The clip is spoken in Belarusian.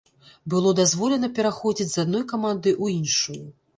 Было дазволена пераходзіць з адной каманды ў іншую.